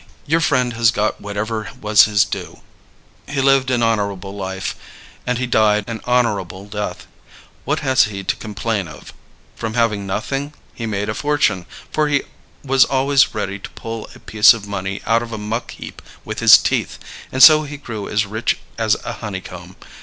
Your friend has got whatever was his due. He lived an honorable life and he died an honorable death. What has he to complain of? From having nothing, he made a fortune, for he was always ready to pull a piece of money out of a muck heap with his teeth; and so he grew as rich as a honey comb.